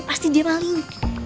pasti dia paling